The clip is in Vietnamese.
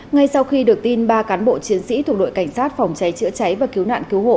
ngay sau khi được tin ba cán bộ chiến sĩ thuộc đội cảnh sát phòng cháy chữa cháy và cứu nạn cứu hộ